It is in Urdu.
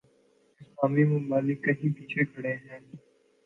اسلامی ممالک کہیں پیچھے کھڑے ہیں۔